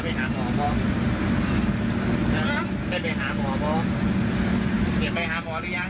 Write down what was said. คือสิ่งที่เราติดตามคือสิ่งที่เราติดตาม